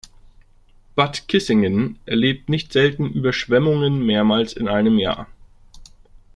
Bad Kissingen erlebt nicht selten Überschwemmungen mehrmals in einem Jahr.